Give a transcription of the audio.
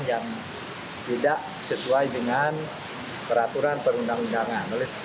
yang tidak sesuai dengan peraturan perundang undangan